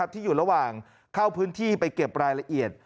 ที่อยู่ระหว่างเข้าพื้นที่ไปเก็บรายละเอียด